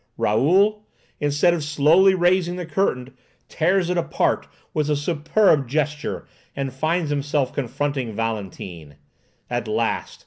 Raoul, instead of slowly raising the curtain, tears it apart with a superb gesture and finds himself confronting Valentine. At last!